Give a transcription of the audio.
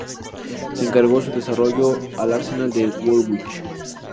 Se encargó su desarrollo al Arsenal de Woolwich.